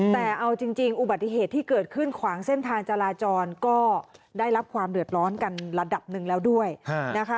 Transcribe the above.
แต่เอาจริงอุบัติเหตุที่เกิดขึ้นขวางเส้นทางจราจรก็ได้รับความเดือดร้อนกันระดับหนึ่งแล้วด้วยนะคะ